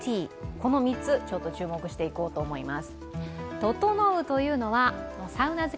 この３つ、注目していこうと思います。